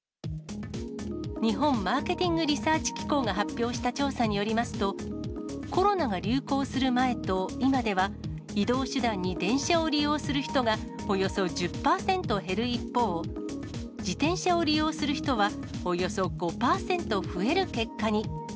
日本マーケティングリサーチ機構が発表した調査によりますと、コロナが流行する前と今では、移動手段に電車を利用する人がおよそ１０％減る一方、自転車を利用する人はおよそ５％増える結果に。